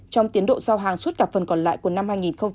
trong tiến độ giao hàng suốt cả phần còn lại của năm hai nghìn hai mươi